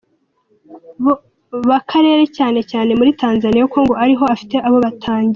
bo karere cyane cyane muri Tanzania kuko ngo ari ho afite abo batangiye.